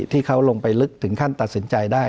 ที่เขาลงไปลึกถึงขั้นตัดสินใจได้